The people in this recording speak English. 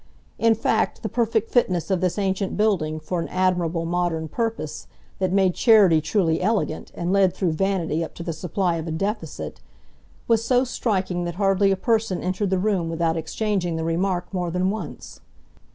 In fact, the perfect fitness of this ancient building for an admirable modern purpose, that made charity truly elegant, and led through vanity up to the supply of a deficit, was so striking that hardly a person entered the room without exchanging the remark more than once.